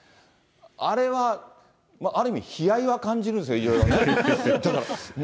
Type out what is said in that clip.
あれはある意味、悲哀は感じるんですけどね、いろいろ。